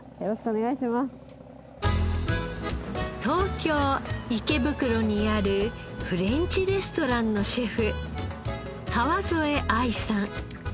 東京池袋にあるフレンチレストランのシェフ川副藍さん。